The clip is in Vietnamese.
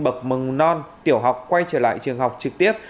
bậc mầm non tiểu học quay trở lại trường học trực tiếp